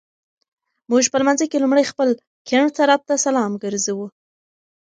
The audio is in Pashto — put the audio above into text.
مونږ په لمانځه کي لومړی خپل ګېڼ طرفته سلام ګرځوو